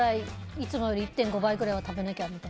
いつもより１．５倍くらいは食べなきゃみたいな。